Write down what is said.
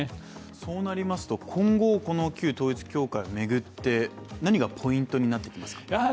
そうなりますと今後、この旧統一教会を巡って何がポイントになってきますか？